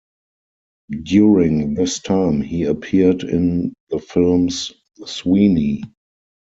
During this time he appeared in the films Sweeney!